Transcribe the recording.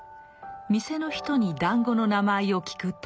店の人に団子の名前を聞くと。